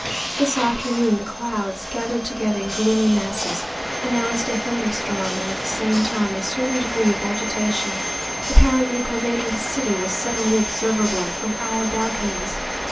This afternoon the clouds, gathered together in gloomy masses, announced a thunderstorm, and at the same time a certain degree of agitation apparently pervading the city was suddenly observable from our balconies.